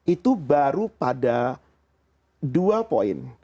itu baru pada dua poin